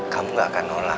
kamu gak akan nolak